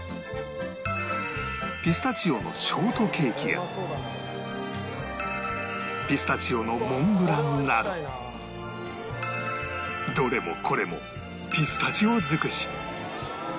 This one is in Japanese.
ピスタチオのショートケーキやピスタチオのモンブランなどどれもこれもピスタチオ尽くし